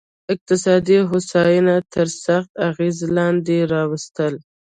اقتصادي هوساینه تر سخت اغېز لاندې راوستل.